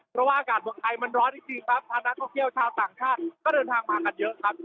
เพราะว่าอากาศเมืองไทยมันร้อนจริงครับพานักท่องเที่ยวชาวต่างชาติก็เดินทางมากันเยอะครับ